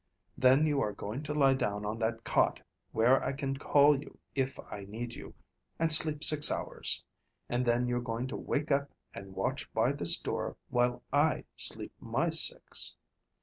Then you are going to lie down on that cot where I can call you if I need you, and sleep six hours, and then you're going to wake up and watch by this door while I sleep my six.